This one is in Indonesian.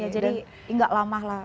jadi nggak lama lah